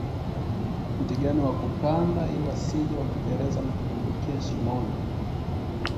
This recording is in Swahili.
Mti gani wa kupanda ili wasije wakateleza na kudumbukia shimoni